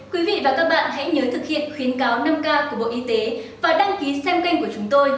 quý vị và các bạn hãy nhớ thực hiện khuyến cáo năm k của bộ y tế và đăng ký xem kênh của chúng tôi